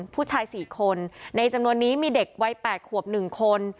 ผู้ชาย๔คนในจำนวนนี้มีเด็กวัย๘ขวบ๑คน